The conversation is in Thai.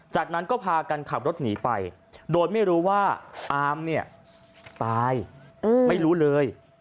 จากนั้นก็พากันขับรถหนีไปโดยไม่รู้ว่าอามเนี่ยตายไม่รู้เลย